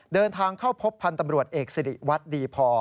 เดินทางเข้าพบพันธ์ตำรวจเอกสิริวัตรดีพอ